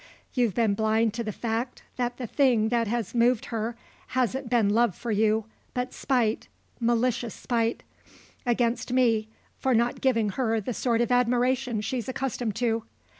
You've been blind to the fact that the thing that has moved her hasn't been love for you but spite, malicious spite, against me for not giving her the sort of admiration she's accustomed to.